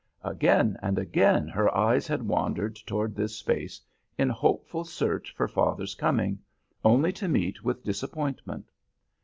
Again and again her eyes had wandered towards this space in hopeful search for father's coming, only to meet with disappointment.